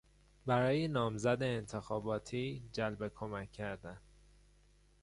برای نامزد انتخاباتی جلب کمک کردن